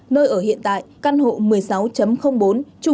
nơi ở hiện tại căn hộ một mươi sáu bốn trung cư